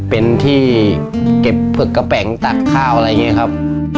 เป็นที่เก็บผึกกระแป๋งตักข้าวอะไรอย่างนี้ครับ